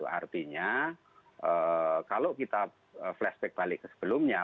artinya kalau kita flashback balik ke sebelumnya